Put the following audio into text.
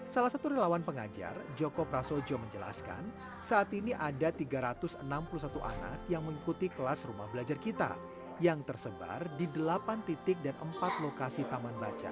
salah satu relawan pengajar joko prasojo menjelaskan saat ini ada tiga ratus enam puluh satu anak yang mengikuti kelas rumah belajar kita yang tersebar di delapan titik dan empat lokasi taman baca